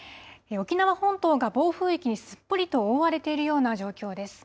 沖縄本島が暴風域にすっぽりと覆われているような状況です。